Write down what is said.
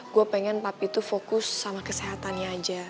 gue pengen papi itu fokus sama kesehatannya aja